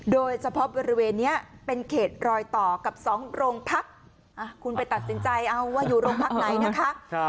โดยเฉพาะบริเวณนี้เป็นเขตรอยต่อกับ๒โรงพักคุณไปตัดสินใจเอาว่าอยู่โรงพักไหนนะคะ